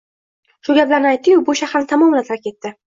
Shu gaplarni aytdi-yu, bu shaharni tamomila tark etdi